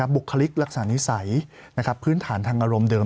บุคลิกลักษณะนิสัยพื้นฐานทางอารมณ์เดิม